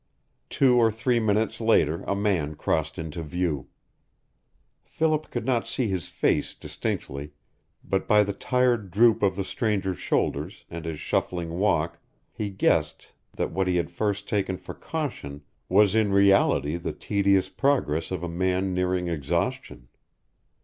Two or three minutes later a man crossed into view. Philip could not see his face distinctly, but by the tired droop of the stranger's shoulders and his shuffling walk he guessed that what he had first taken for caution was in reality the tedious progress of a man nearing exhaustion.